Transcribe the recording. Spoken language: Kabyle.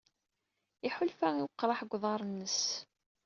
Iḥulfa i weqraḥ deg uḍar-nnes.